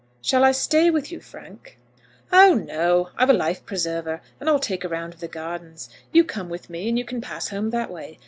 "Shall I stay with you, Frank?" "Oh, no; I've a life preserver, and I'll take a round of the gardens. You come with me, and you can pass home that way.